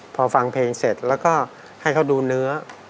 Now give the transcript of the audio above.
พอฟังเพลงเสร็จแล้วก็ให้เขาดูเนื้อ